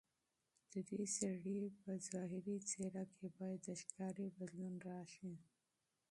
ددې سړي په ظاهري څېره کې باید د ښکاري بدلون راشي.